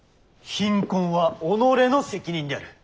貧困は己の責任である。